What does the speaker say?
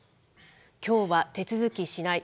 きょうは手続きしない。